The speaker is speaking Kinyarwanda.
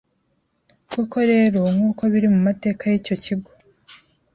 Koko rero, nk’uko biri mu mateka y’icyo kigo,